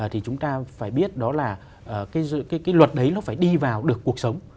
thì chúng ta phải biết đó là cái luật đấy nó phải đi vào được cuộc sống